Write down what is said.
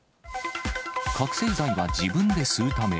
覚醒剤は自分で吸うため。